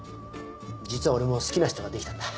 実は俺も好きな人ができたんだ。